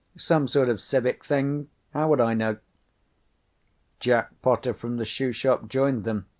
Some sort of civic thing. How would I know?" Jack Potter from the shoe shop joined them.